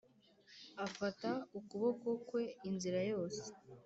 afata ukuboko kwe inzira yose.